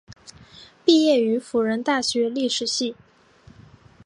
毕业于辅仁大学历史系。